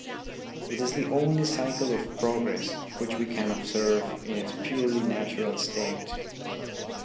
It is the only cycle of progress which we can observe in its purely natural state.